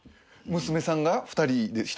娘さんが２人１人？